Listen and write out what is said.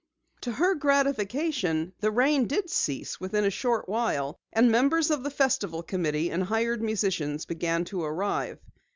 To her gratification, the rain did cease within a short while, and members of the Festival Committee and hired musicians began to arrive.